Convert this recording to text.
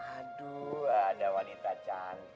aduh ada wanita cantik